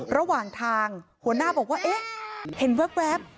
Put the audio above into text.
ระหว่างทางหัวหน้าบอกว่าเอ๊ะเห็นแว๊บ